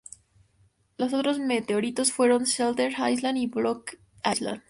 Los otros meteoritos fueron Shelter Island y Block Island.